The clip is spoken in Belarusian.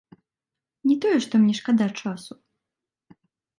Не тое, што мне шкада часу.